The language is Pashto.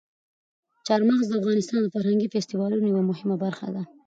چار مغز د افغانستان د فرهنګي فستیوالونو یوه مهمه برخه ده.